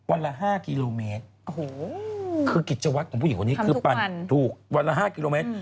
คือกิจวัตรของผู้หญิงคนนี้คือปั่นถูกวันละ๕กิโลเมตรคือกิจวัตรของผู้หญิงคนนี้คือปั่นถูกวันละ๕กิโลเมตร